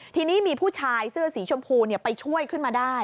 ทีนี้มีผู้ชายเสื้อสีชมพูไปช่วยขึ้นมาได้